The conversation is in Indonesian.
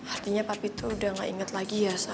artinya papi tuh udah gak inget lagi ya sama ami